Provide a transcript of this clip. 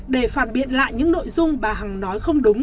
để phản biện lại những nội dung bà hằng nói không đúng